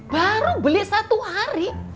baru beli satu hari